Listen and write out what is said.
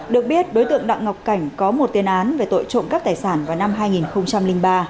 được biết đối tượng đặng ngọc cảnh có một tiên án về tội trộm cắp tài sản vào năm hai nghìn ba